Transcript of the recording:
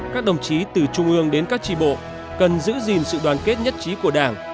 các đồng chí từ trung ương đến các tri bộ cần giữ gìn sự đoàn kết nhất trí của đảng